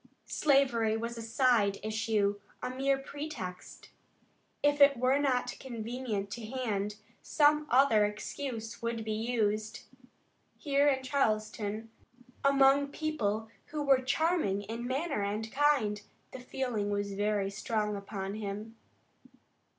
Slavery was a side issue, a mere pretext. If it were not convenient to hand, some other excuse would be used. Here in Charleston, the first home of secession, among people who were charming in manner and kind, the feeling was very strong upon him.